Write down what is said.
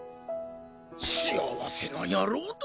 幸せな野郎だ。